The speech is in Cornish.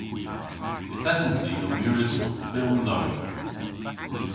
Yth esens i ow mires orth fylm nowydh.